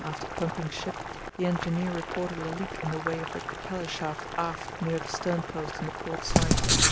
after pumping ship, the engineer reported a leak in the way of the propeller shaft aft near the stern post on the port side.